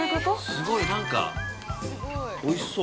◆すごい、なんか、おいしそう。